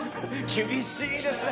厳しいですね